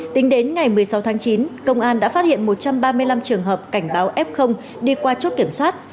tính đến ngày một mươi sáu tháng chín công an đã phát hiện một trăm ba mươi năm trường hợp cảnh báo f đi qua chốt kiểm soát